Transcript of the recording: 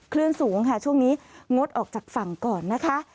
คลื่นสูงค่ะช่วงนี้งดออกจากฝั่งก่อนนะคะ